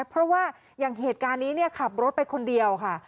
เพราะว่าอย่างเหตุการณ์นี้ขับรถไปคนเดียวค่ะ